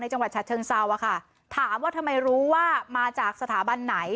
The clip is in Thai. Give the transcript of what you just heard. จังหวัดฉะเชิงเซาอะค่ะถามว่าทำไมรู้ว่ามาจากสถาบันไหน